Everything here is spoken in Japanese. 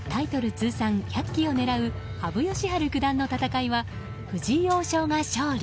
通算１００期を狙う羽生善治九段の戦いは藤井王将が勝利。